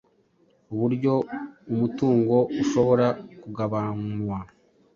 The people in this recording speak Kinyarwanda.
uburyo umutungo ushobora kugabanwa